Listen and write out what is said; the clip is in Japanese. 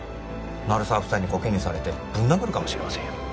鳴沢夫妻にコケにされてぶん殴るかもしれませんよ